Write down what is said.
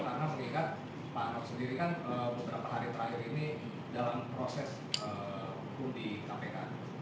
karena mengingat pak nob sendiri kan beberapa hari terakhir ini dalam proses kundi kpk